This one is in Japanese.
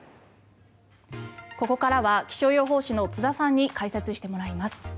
ここからは気象予報士の津田さんに解説してもらいます。